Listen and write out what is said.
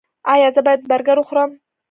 ایا زه باید برګر وخورم؟